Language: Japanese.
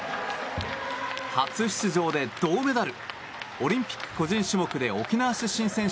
初出場で銅メダル。